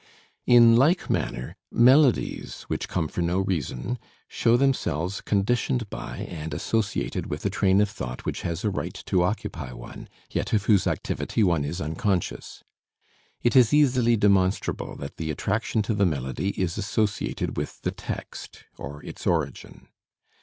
In like manner, melodies, which come for no reason, show themselves conditioned by and associated with a train of thought which has a right to occupy one, yet of whose activity one is unconscious. It is easily demonstrable that the attraction to the melody is associated with the text, or its origin.